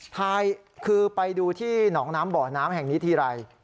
ถ่ายคือไปดูที่หนองน้ำบ่อน้ำแห่งนี้ทีไร